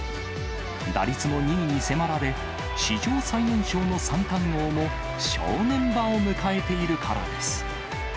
打率も２位に迫られ、史上最年少の三冠王も正念場を迎えているからです。